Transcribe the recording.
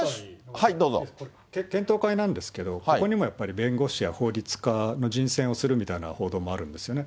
検討会なんですけど、ここにもやっぱり弁護士や法律家の人選をするみたいな報道もあるんですよね。